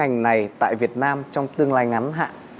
ngành này tại việt nam trong tương lai ngắn hạn